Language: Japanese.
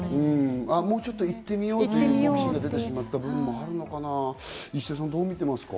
もう少し行ってみようって好奇心が出てしまった部分もあるのかな？